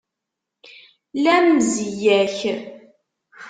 La mzeyya-k!